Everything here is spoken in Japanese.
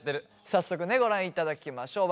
早速ねご覧いただきましょう。